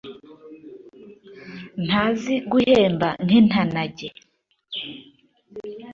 ntazi guhemba nk'intanage